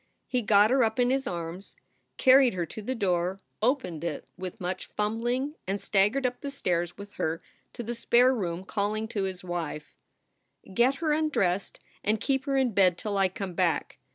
He got her up in his arms, carried her to the door, opened it with much fumbling, and staggered up the stairs with her to the spare room, calling to his wife : "Get her undressed and keep her in bed till I come back.